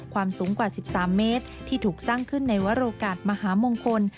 สูงกว่า๑๓เมตรที่ถูกสร้างขึ้นในวรกาสมหามงคล